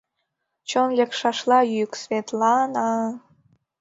Чон лекшашла йӱк: «Свет-ла-на-а!»